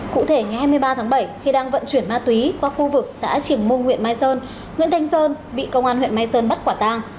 cụ thể ngày hai mươi ba tháng bảy khi đang vận chuyển ma túy qua khu vực xã trường mông huyện mai sơn nguyễn thanh sơn bị công an huyện mai sơn bắt quả tang